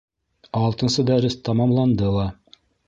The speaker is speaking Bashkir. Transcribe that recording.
Алтынсы дәрес тамамланды ла.